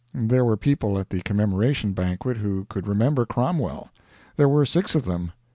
There were people at the Commemoration banquet who could remember Cromwell. There were six of them.